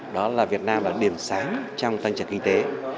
đó là việt nam là điểm sáng trong tăng trưởng kinh tế